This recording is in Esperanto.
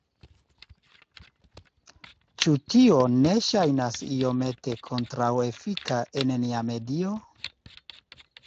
Ĉu tio ne ŝajnas iomete kontraŭefika en nia medio?